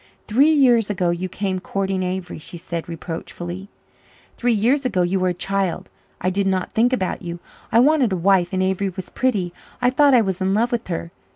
"Three years ago you came courting Avery," she said reproachfully. "Three years ago you were a child. I did not think about you. I wanted a wife and Avery was pretty. I thought I was in love with her.